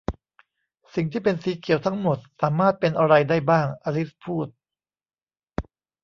'สิ่งที่เป็นสีเขียวทั้งหมดสามารถเป็นอะไรได้บ้าง ?' อลิซพูด